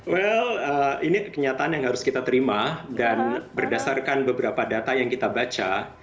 well ini kenyataan yang harus kita terima dan berdasarkan beberapa data yang kita baca